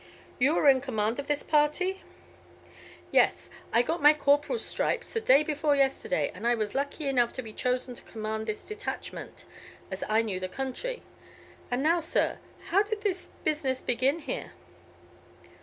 "You are in command of this party?" "Yes; I got my corporal's stripes the day before yesterday, and I was lucky enough to be chosen to command this detachment, as I knew the country; and now, sir, how did this business begin here?"